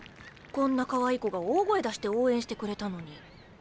こんなかわいい子が大声出して応援してくれたのに。